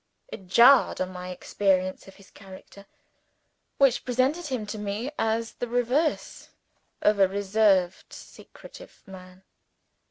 It jarred on my experience of his character, which presented him to me as the reverse of a reserved secretive man.